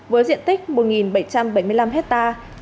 với diện tích một bảy trăm bảy mươi năm hectare